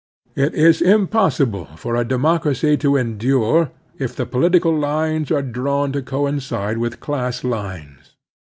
It is impossible for a democracy to endure if the political lines are drawn to coincide with class lines.